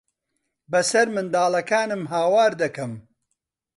بەسەر منداڵەکانم ھاوار دەکەم.